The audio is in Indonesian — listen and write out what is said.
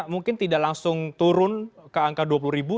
mungkin tidak langsung turun ke angka dua puluh ribu